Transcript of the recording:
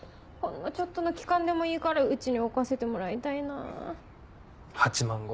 ほんのちょっとの期間でもいいからうちに置かせてもらいたいなぁ。